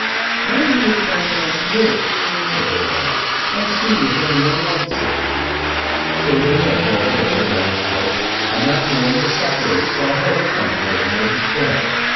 "Now we will carry down the milk," said Romola, "and see if any one wants it." So they went all together down the slope, and that morning the sufferers saw help come to them in their despair.